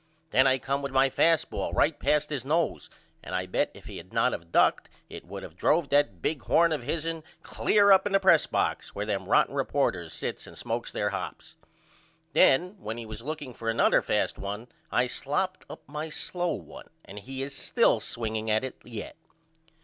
Then I come with my fast ball right past his nose and I bet if he had not of ducked it would of drove that big horn of hisn clear up in the press box where them rotten reporters sits and smokes their hops. Then when he was looking for another fast one I slopped up my slow one and he is still swinging at it yet.